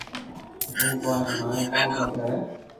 ايم ڪون ھي مني ڪون تنگ ڪري